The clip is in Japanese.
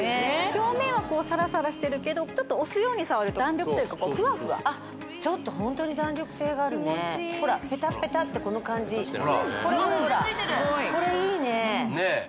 表面はこうサラサラしてるけどちょっと押すように触ると弾力というかこうふわふわあっちょっとホントに弾力性があるねほらペタッペタッてこの感じほらこれいいねねえ